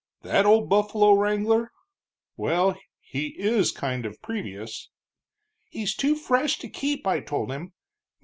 "That old buffalo wrangler? Well, he is kind of previous!" "He's too fresh to keep, I told him.